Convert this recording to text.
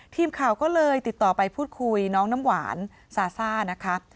ทีมข่าวก็เลยติดต่อไปพูดคุยน้องน้ำหวานซาซ่านะคะ